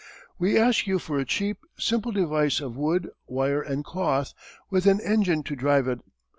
We ask you for a cheap, simple device of wood, wire, and cloth, with an engine to drive it.